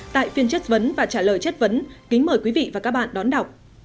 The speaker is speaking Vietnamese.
tại phiên chất vấn và trả lời chất vấn kính mời quý vị và các bạn đón đọc